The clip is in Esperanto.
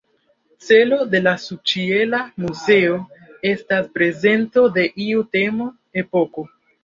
Celo de la subĉiela muzeo estas prezento de iu temo, epoko.